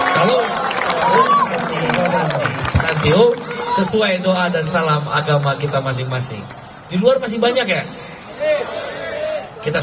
selalu sesuai doa dan salam agama kita masing masing diluar masih banyak ya kita